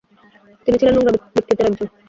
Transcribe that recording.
তিনি ছিলেন নোংরা ব্যক্তিত্বের একজন।